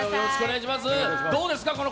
どうですか？